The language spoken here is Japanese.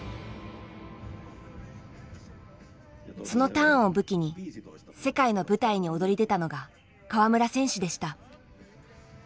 そのターンを武器に世界の舞台に躍り出たのが川村選手でした。